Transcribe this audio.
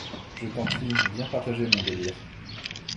Je t'en prie, viens partager mon délire.